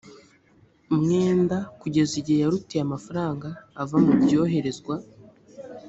mwenda kugeza igihe yarutiye amafaranga ava mu byoherezwa